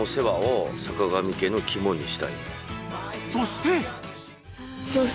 そして。